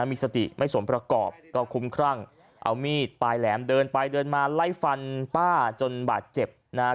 มีสติไม่สมประกอบก็คุ้มครั่งเอามีดปลายแหลมเดินไปเดินมาไล่ฟันป้าจนบาดเจ็บนะฮะ